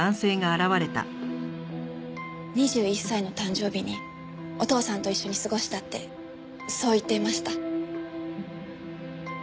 ２１歳の誕生日にお父さんと一緒に過ごしたってそう言っていました。